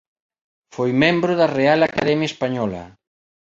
Foi membro da Real Academia Española.